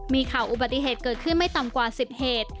มีข่าวอุบัติเหตุเกิดขึ้นไม่ต่ำกว่า๑๐เหตุ